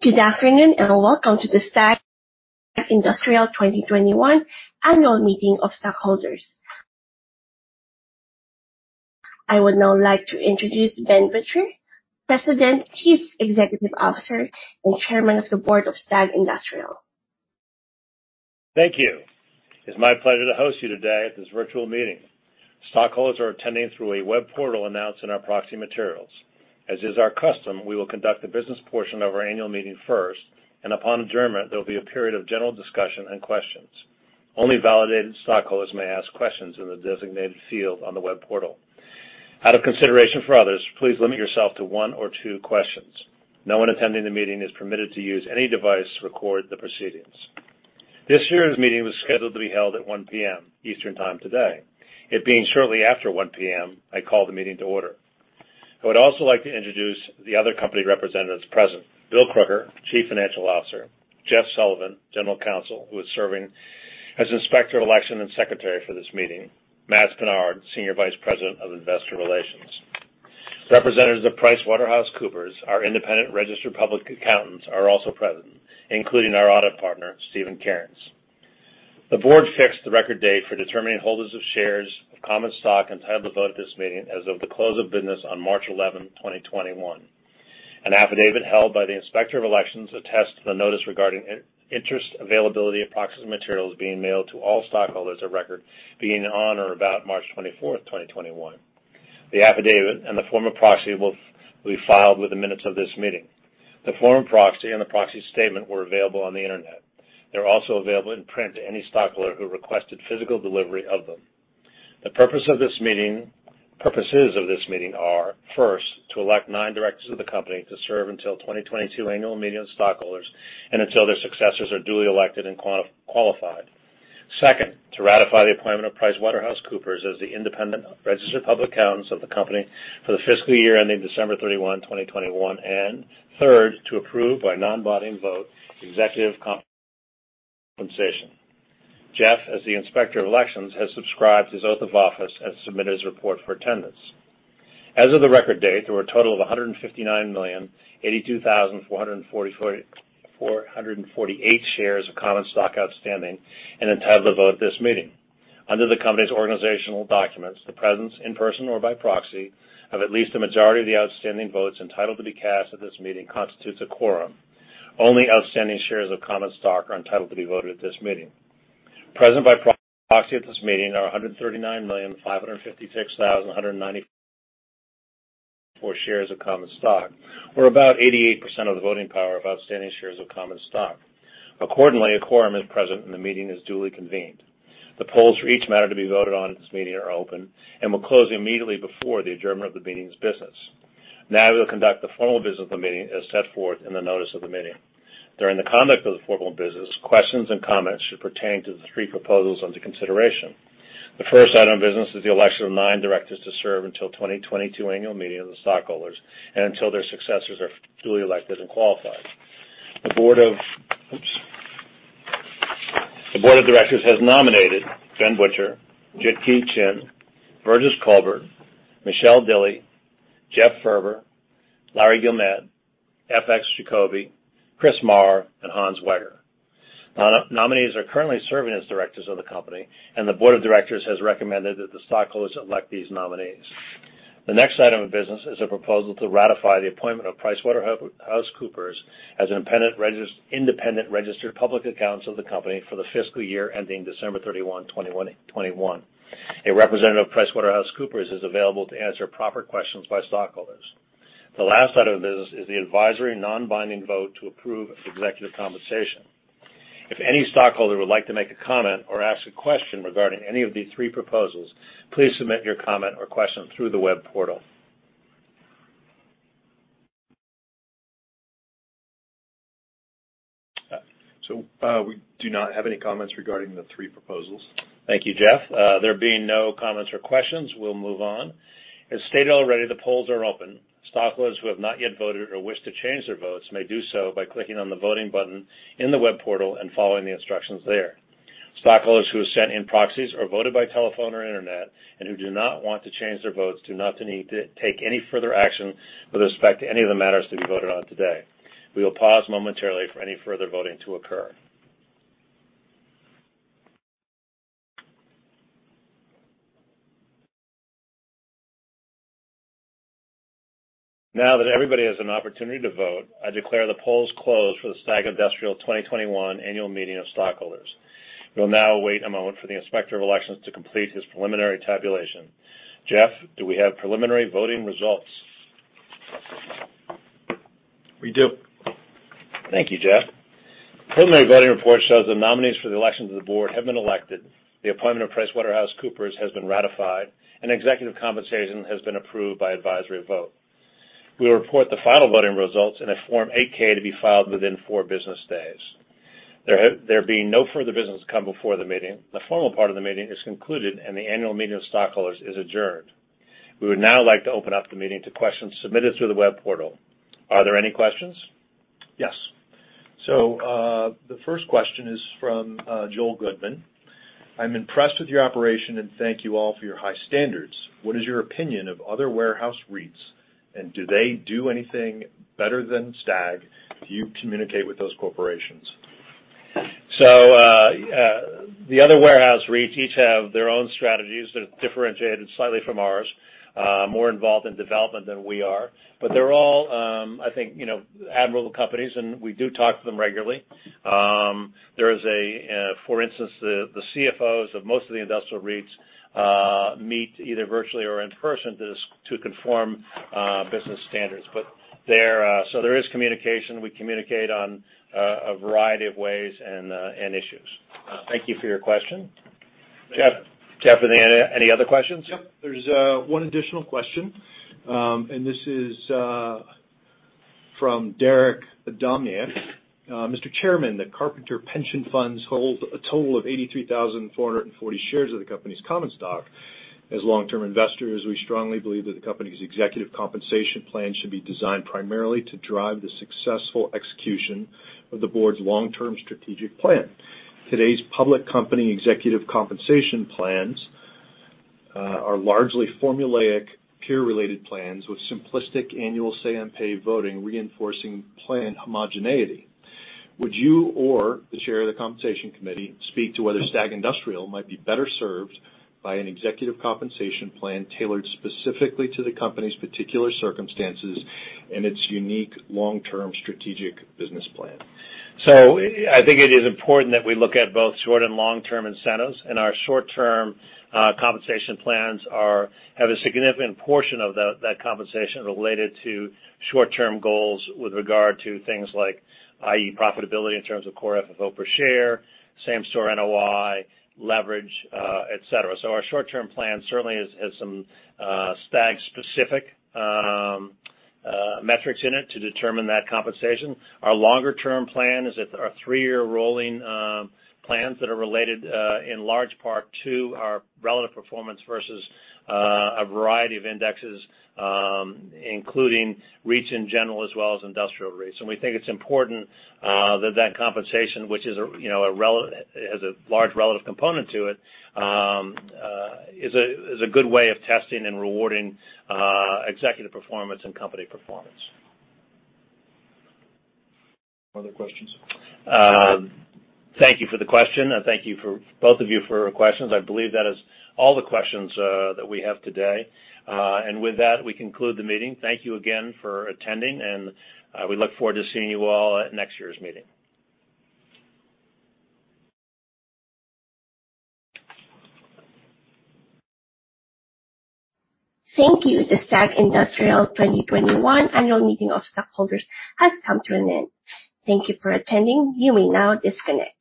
Good afternoon, welcome to the STAG Industrial 2021 Annual Meeting of Stockholders. I would now like to introduce Ben Butcher, President, Chief Executive Officer, and Chairman of the Board of STAG Industrial. Thank you. It's my pleasure to host you today at this virtual meeting. Stockholders are attending through a web portal announced in our proxy materials. As is our custom, we will conduct the business portion of our annual meeting first, and upon adjournment, there'll be a period of general discussion and questions. Only validated stockholders may ask questions in the designated field on the web portal. Out of consideration for others, please limit yourself to one or two questions. No one attending the meeting is permitted to use any device to record the proceedings. This year's meeting was scheduled to be held at 1:00 P.M. Eastern Time today. It being shortly after 1:00 P.M., I call the meeting to order. I would also like to introduce the other company representatives present. Bill Crooker, Chief Financial Officer. Jeff Sullivan, General Counsel, who is serving as Inspector of Election and Secretary for this meeting. Matts Pinard, Senior Vice President of Investor Relations. Representatives of PricewaterhouseCoopers, our independent registered public accountants, are also present, including our Audit Partner, Stephen Cairns. The board fixed the record date for determining holders of shares of common stock entitled to vote at this meeting as of the close of business on March 11, 2021. An affidavit held by the Inspector of Elections attests to the notice regarding internet availability of proxy materials being mailed to all stockholders of record being on or about March 24th, 2021. The affidavit and the form of proxy will be filed with the minutes of this meeting. The form of proxy and the proxy statement were available on the internet. They're also available in print to any stockholder who requested physical delivery of them. The purposes of this meeting are, first, to elect nine directors of the company to serve until 2022 Annual Meeting of Stockholders and until their successors are duly elected and qualified. Second, to ratify the appointment of PricewaterhouseCoopers as the independent registered public accountants of the company for the fiscal year ending December 31, 2021. Third, to approve by non-binding vote executive compensation. Jeff, as the Inspector of Elections, has subscribed his oath of office and submitted his report for attendance. As of the record date, there were a total of 159,082,448 shares of common stock outstanding and entitled to vote at this meeting. Under the company's organizational documents, the presence in person or by proxy of at least a majority of the outstanding votes entitled to be cast at this meeting constitutes a quorum. Only outstanding shares of common stock are entitled to be voted at this meeting. Present by proxy at this meeting are 139,556,194 shares of common stock, or about 88% of the voting power of outstanding shares of common stock. Accordingly, a quorum is present and the meeting is duly convened. The polls for each matter to be voted on at this meeting are open and will close immediately before the adjournment of the meeting's business. Now we will conduct the formal business of the meeting as set forth in the notice of the meeting. During the conduct of the formal business, questions and comments should pertain to the three proposals under consideration. The first item of business is the election of nine directors to serve until 2022 Annual Meeting of the Stockholders and until their successors are duly elected and qualified. The board of directors has nominated Ben Butcher, Jit Kee Chin, Virgis Colbert, Michelle Dilley, Jeff Furber, Larry Guillemette, FX Jacoby, Chris Maher, and Hans Weger. Nominees are currently serving as directors of the company, and the board of directors has recommended that the stockholders elect these nominees. The next item of business is a proposal to ratify the appointment of PricewaterhouseCoopers as independent registered public accountants of the company for the fiscal year ending December 31, 2021. A representative of PricewaterhouseCoopers is available to answer proper questions by stockholders. The last item of business is the advisory non-binding vote to approve executive compensation. If any stockholder would like to make a comment or ask a question regarding any of these three proposals, please submit your comment or question through the web portal. We do not have any comments regarding the three proposals. Thank you, Jeff. There being no comments or questions, we'll move on. As stated already, the polls are open. Stockholders who have not yet voted or wish to change their votes may do so by clicking on the voting button in the web portal and following the instructions there. Stockholders who have sent in proxies or voted by telephone or internet and who do not want to change their votes do not need to take any further action with respect to any of the matters to be voted on today. We will pause momentarily for any further voting to occur. Now that everybody has an opportunity to vote, I declare the polls closed for the STAG Industrial 2021 Annual Meeting of Stockholders. We will now wait a moment for the Inspector of Elections to complete his preliminary tabulation. Jeff, do we have preliminary voting results? We do. Thank you, Jeff. The preliminary voting report shows the nominees for the elections of the board have been elected, the appointment of PricewaterhouseCoopers has been ratified, and executive compensation has been approved by advisory vote. We will report the final voting results in a Form 8-K to be filed within four business days. There being no further business to come before the meeting, the formal part of the meeting is concluded, and the Annual Meeting of Stockholders is adjourned. We would now like to open up the meeting to questions submitted through the web portal. Are there any questions? Yes. The first question is from Joel Goodman. I'm impressed with your operation, and thank you all for your high standards. What is your opinion of other warehouse REITs, and do they do anything better than STAG? Do you communicate with those corporations? The other warehouse REITs each have their own strategies that are differentiated slightly from ours, more involved in development than we are. They're all, I think, admirable companies, and we do talk to them regularly. For instance, the CFOs of most of the industrial REITs meet either virtually or in person to conform business standards. There is communication. We communicate on a variety of ways and issues. Thank you for your question. Jeff, any other questions? Yep. There's one additional question, and this is from Derek Domian. Mr. Chairman, the Carpenters Pension Funds hold a total of 83,440 shares of the company's common stock. As long-term investors, we strongly believe that the company's executive compensation plan should be designed primarily to drive the successful execution of the board's long-term strategic plan. Today's public company executive compensation plans are largely formulaic, peer-related plans with simplistic annual say on pay voting, reinforcing plan homogeneity. Would you or the chair of the compensation committee speak to whether STAG Industrial might be better served by an executive compensation plan tailored specifically to the company's particular circumstances and its unique long-term strategic business plan? I think it is important that we look at both short and long-term incentives, and our short-term compensation plans have a significant portion of that compensation related to short-term goals with regard to things like, i.e., profitability in terms of core FFO per share, same-store NOI, leverage, et cetera. Our short-term plan certainly has some STAG specific metrics in it to determine that compensation. Our longer-term plan is our three-year rolling plans that are related in large part to our relative performance versus a variety of indexes, including REITs in general, as well as industrial REITs. We think it's important that that compensation, which has a large relative component to it, is a good way of testing and rewarding executive performance and company performance. Other questions? Thank you for the question. Thank you, both of you, for your questions. I believe that is all the questions that we have today. With that, we conclude the meeting. Thank you again for attending, and we look forward to seeing you all at next year's meeting. Thank you. The STAG Industrial 2021 annual meeting of stockholders has come to an end. Thank you for attending. You may now disconnect.